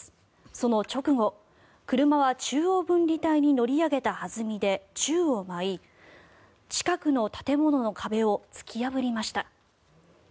その直後、車は中央分離帯に乗り上げた弾みで宙を舞い近くの建物の壁を突き破りました。